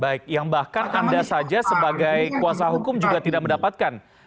baik yang bahkan anda saja sebagai kuasa hukum juga tidak mendapatkan